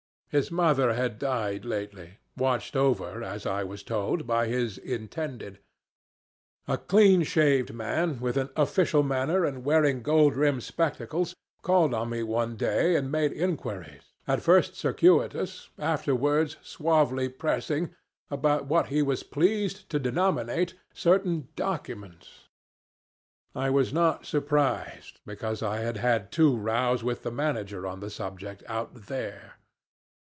His mother had died lately, watched over, as I was told, by his Intended. A clean shaved man, with an official manner and wearing gold rimmed spectacles, called on me one day and made inquiries, at first circuitous, afterwards suavely pressing, about what he was pleased to denominate certain 'documents.' I was not surprised, because I had had two rows with the manager on the subject out there.